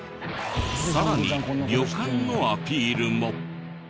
さらに旅館のアピールも。